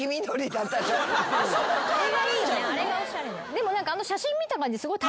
でも。